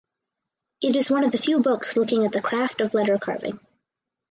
It is one of the few books looking at the craft of letter carving.